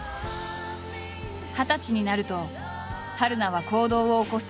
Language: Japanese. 二十歳になると春菜は行動を起こす。